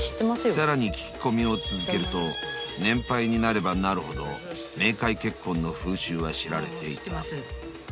［さらに聞き込みを続けると年配になればなるほど冥界結婚の風習は知られていた］